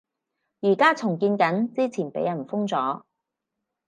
而家重建緊，之前畀人封咗